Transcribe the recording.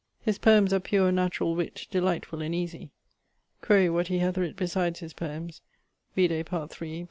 His poems are pure naturall witt, delightfull and easie. Quaere what he hath writt besides his poems: vide part iii, p.